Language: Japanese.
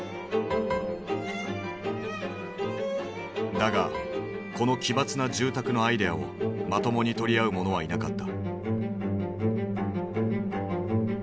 だがこの奇抜な住宅のアイデアをまともに取り合う者はいなかった。